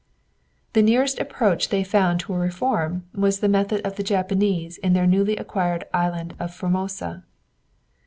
The nearest approach they found to a reform was the method of the Japanese in their newly acquired island of Formosa.